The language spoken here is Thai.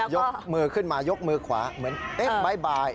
ยกมือขึ้นมายกมือขวาเหมือนเอ๊ะบ๊ายบาย